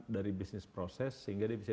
dari bisnis proses sehingga dia bisa